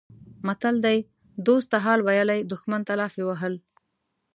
متل دی: دوست ته حال ویلی دښمن ته لافې وهل.